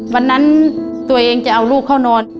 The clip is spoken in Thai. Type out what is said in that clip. วันนั้นตัวเองจะเอาลูกเข้านอน